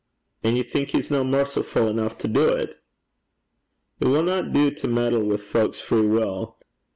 'An' ye think he's no mercifu' eneuch to do 't?' 'It winna do to meddle wi' fowk's free wull.